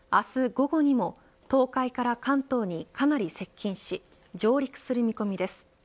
午後にも東海から関東にかなり接近し上陸する見込みです。